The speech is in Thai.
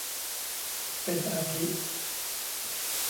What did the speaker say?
เป็นอาทิ